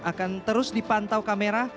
akan terus dipantau kamera